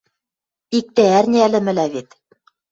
Иктӓ ӓрня ӹлӹмӹлӓ вет...